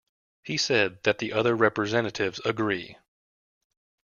He said that the other representatives agreed.